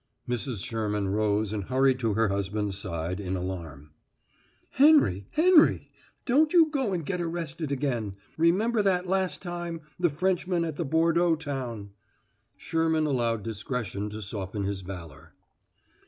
Mrs. Sherman rose and hurried to her husband's side, in alarm. "Henry Henry! Don't you go and get arrested again! Remember that last time the Frenchman at that Bordeaux town." Sherman allowed discretion to soften his valor.